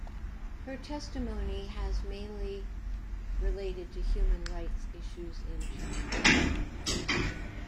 Her testimony has mainly related to Human Rights Issues in China.